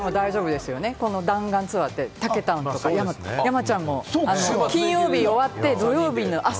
忙しい人でも大丈夫ですね、この弾丸ツアー、たけたんとか山ちゃん、金曜日終わって土曜日の朝。